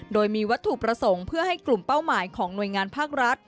โดยมีวัตถุประสงค์เพื่อให้กลุ่มเป้าหมายของหน่วยงานภาครัฐ